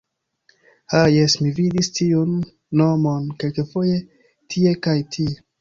Ha jes, mi vidis tiun nomon kelkfoje tie kaj tie.